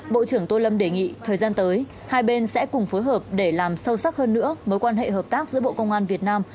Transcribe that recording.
bộ trưởng tô lâm đề nghị thời gian tới hai bên sẽ cùng phối hợp để làm sâu sắc hơn nữa mối quan hệ hợp tác giữa bộ công an việt nam